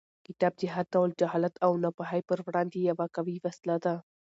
کتاب د هر ډول جهالت او ناپوهۍ پر وړاندې یوه قوي وسله ده.